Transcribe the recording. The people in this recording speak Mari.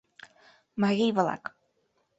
Марий-влак.